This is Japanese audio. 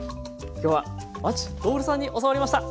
今日は和知徹さんに教わりました。